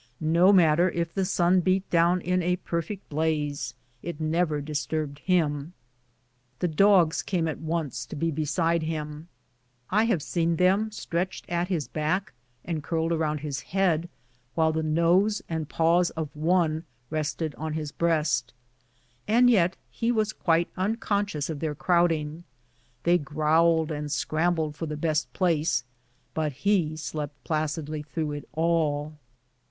No matter if the sun beat down in a perfect blaze, it never disturbed him. The dogs came at once to lie be side him. I have seen them stretched at his back and curled around his head, while the nose and paws of one rested on his breast. And yet he was quite unconscious of their crowding. They growled and scrambled for the best place, but he slept placidly through it all.